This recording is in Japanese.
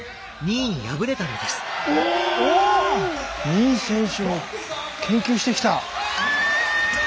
ニー選手も研究してきた。